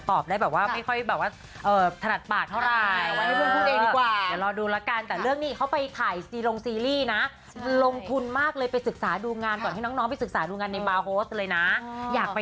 ขอบคุณต่อกันหน่อยนะคะ